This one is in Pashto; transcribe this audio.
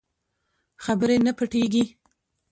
خبرې نه پټېږي.